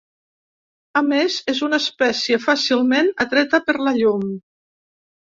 A més, és una espècie fàcilment atreta per la llum.